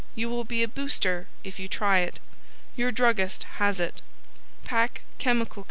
You will be a booster if you try it. YOUR Druggist has IT. Pack Chemical Co.